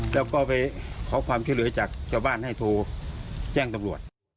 แล้วก็ไปเขาของเข้าความเคี่ยวเหลือจากเจ้าบ้านให้โทรแจ้งตำรวจ